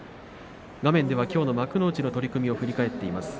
画面ではきょうの幕内の取組を振り返っています。